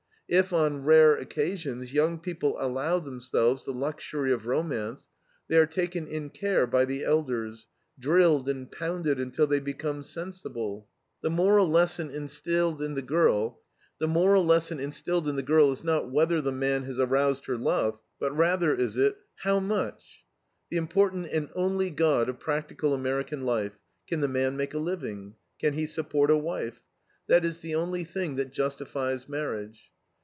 If, on rare occasions, young people allow themselves the luxury of romance, they are taken in care by the elders, drilled and pounded until they become "sensible." The moral lesson instilled in the girl is not whether the man has aroused her love, but rather is it, "How much?" The important and only God of practical American life: Can the man make a living? can he support a wife? That is the only thing that justifies marriage.